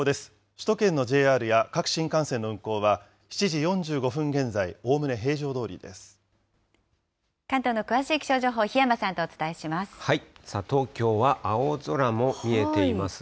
首都圏のＪＲや各新幹線の運行は７時４５分現在、おおむね平常ど関東の詳しい気象情報、檜山東京は青空も見えていますが。